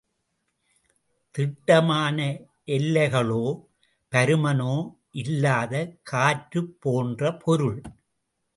திட்டமான எல்லைகளோ பருமனோ இல்லாத காற்று போன்ற பொருள்.